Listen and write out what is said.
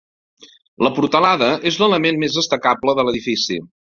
La portalada és l'element més destacable de l'edifici.